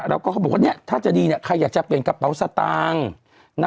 แล้วก็เขาบอกว่าเนี่ยถ้าจะดีเนี่ยใครอยากจะเปลี่ยนกระเป๋าสตางค์